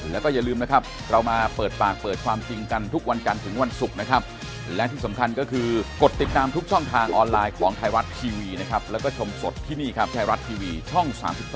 แล้วเอามารวมเป็นก้อนใหญ่ปัญหามันก็เลยเกิดขึ้น